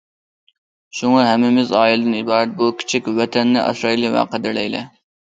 شۇڭا ھەممىمىز ئائىلىدىن ئىبارەت بۇ كىچىك ۋەتەننى ئاسرايلى ۋە قەدىرلەيلى.